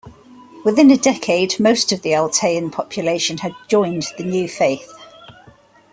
Within a decade, most of the Altaian population had joined the new faith.